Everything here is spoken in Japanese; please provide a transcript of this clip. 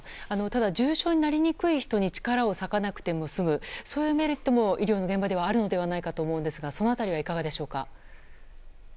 ただ、重症になりにくい人に力を割かなくても済むというそういうメリットも医療の現場ではあるのではないかと思いますがその辺りはいかがでしょうか。